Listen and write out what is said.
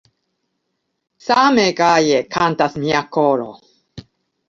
Same gaje kantas mia koro!